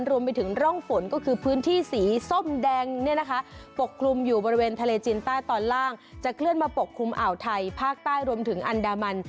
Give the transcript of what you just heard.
รวมไปถึงร่องฝนก็คือพื้นที่สีส้มแดงเนี่ยนะคะปกคลุมอยู่บริเวณทะเลจีนใต้ตอนล่างจะเคลื่อนมาปกคลุมอ่าวไทยภาคใต้รวมถึงอันดามัน